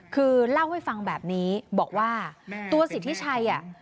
คือเล่าให้ฟังแบบนี้บอกว่าตัวสิทธิชัยอ่ะ